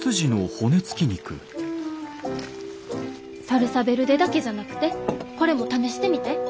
サルサ・ヴェルデだけじゃなくてこれも試してみて。